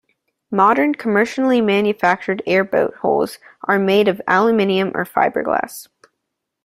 Modern, commercially manufactured airboat hulls are made of aluminum or fiberglass.